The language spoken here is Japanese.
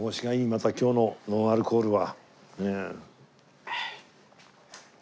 また今日のノンアルコールは。